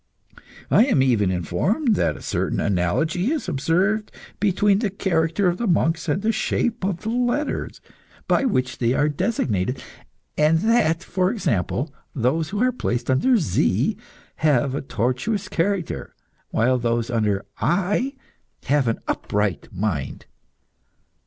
I am even informed that a certain analogy is observed between the character of the monks and the shape of the letter by which they are designated, and that, for example, those who are placed under Z have a tortuous character, whilst those under I have an upright mind.